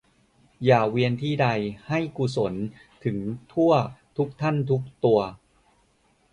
อย่าเวียนที่ใด ให้กุศลถึงทั่ว ทุกท่าน ทุกตัว